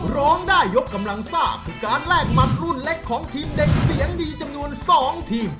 ร้องได้ยกกำลังซ่าคือการแลกหมัดรุ่นเล็กของทีมเด็กเสียงดีจำนวน๒ทีม